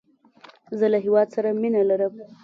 زه له هیواد سره مینه لرم